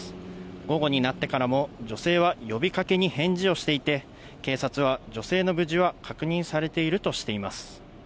午後になってからも、女性は呼びかけに返事をしていて、警察は女性の無事は確認されているとしています。